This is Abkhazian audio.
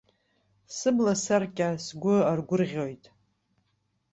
Сыбласаркьа сгәы аргәырӷьоит.